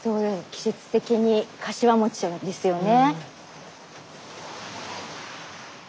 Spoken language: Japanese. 季節的にかしわ餅ですよね。